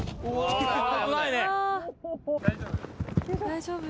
大丈夫？